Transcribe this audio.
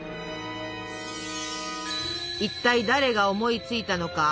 いったい誰が思いついたのか。